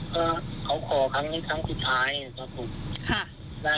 ก็เขาขอครั้งนี้ครั้งสุดท้ายครับผม